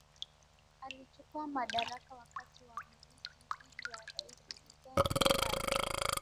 Alichukua madaraka wakati wa maasi dhidi ya Rais Hissène Habré